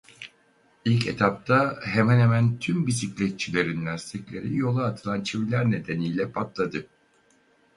İlk etapta hemen hemen tüm bisikletçilerin lastikleri yola atılan çiviler nedeniyle patladı.